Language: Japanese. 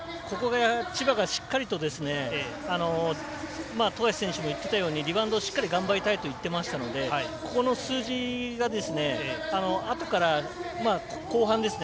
千葉がしっかりと富樫選手も言っていたようにリバウンドをしっかり頑張りたいと言っていたのでここの数字があとから後半ですね。